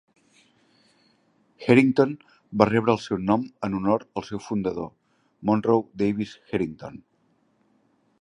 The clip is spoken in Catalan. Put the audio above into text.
Herington va rebre el seu nom en honor al seu fundador, Monroe Davis Herington.